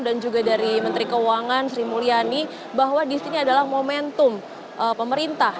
dan juga dari menteri keuangan sri mulyani bahwa disini adalah momentum pemerintah